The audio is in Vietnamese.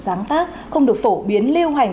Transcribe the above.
sáng tác không được phổ biến lưu hành